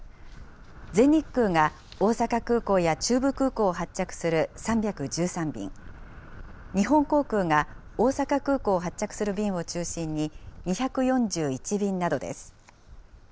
全日空が大阪空港や中部空港を発着する３１３便、日本航空が大阪空港を発着する便を中心に２４１便などです。